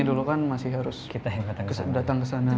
dulu kan masih harus datang ke sana